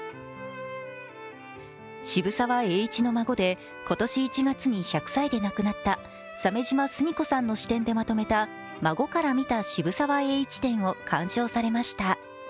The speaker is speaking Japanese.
渋沢栄一の孫で今年１月に１００歳で亡くなった鮫島純子さんの視点でまとめた「孫から見た渋沢栄一」展を鑑賞されました。